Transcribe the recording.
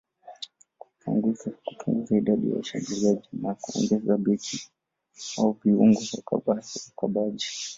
kupunguza idadi ya washambuliaji na kuongeza beki au viungo wakabaji